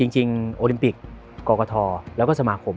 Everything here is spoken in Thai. จริงโอลิมปิกกรกฐแล้วก็สมาคม